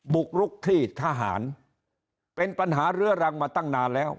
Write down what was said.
บุกลุกที่ทหารเป็นปัญหาเรื้อรังมาตั้งนานแล้ว